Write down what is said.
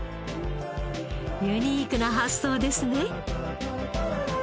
ユニークな発想ですね。